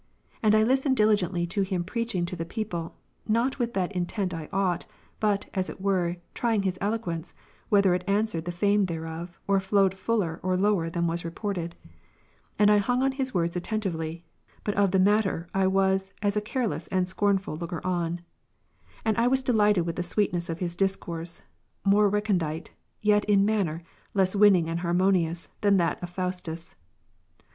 And I listened diligently to him preaching to the people, not with that intent I ought, but, as it were, trying his eloquence, whether it answered the fame thereof, or flowed fuller or lower than was reported ; and I hung on his words atten tively ; but of the matter I was as a careless and scornful looker on ; and I was delighted with the sweetness of his discourse, more recondite, yet in manner less Avinning and harmonious, than that of Faustus.